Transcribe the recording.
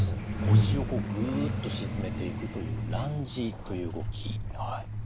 腰をこうぐっと沈めていくというランジという動き。